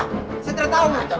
saya tidak tahu